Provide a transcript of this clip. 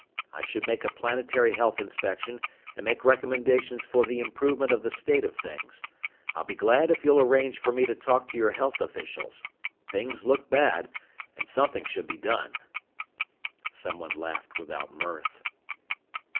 I should make a planetary health inspection and make recommendations for the improvement of the state of things. I'll be glad if you'll arrange for me to talk to your health officials. Things look bad, and something should be done." Someone laughed without mirth.